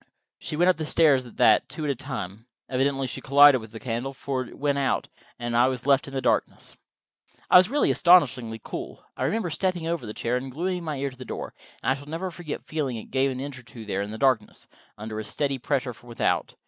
She went up the stairs at that, two at a time. Evidently she collided with the candle, for it went out, and I was left in darkness. I was really astonishingly cool. I remember stepping over the chair and gluing my ear to the door, and I shall never forget feeling it give an inch or two there in the darkness, under a steady pressure from without.